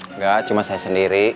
enggak cuma saya sendiri